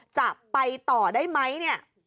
จะไปต่อได้ไหมเนี่ย